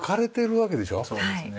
そうですね。